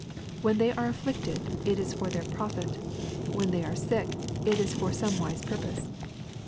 When they are afflicted, it is for their profit. When they are sick, it is for some wise purpose.